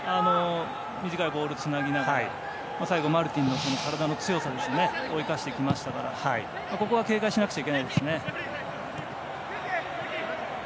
短いボールつなぎながら最後、マルティンの体の強さを生かしてきましたからここは警戒しなくちゃいけないですね。